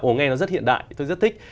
ồ nghe nó rất hiện đại tôi rất thích